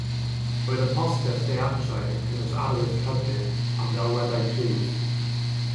Roedd y poster theatraidd yn cynnwys arwydd rhybudd am ddelweddau cryf.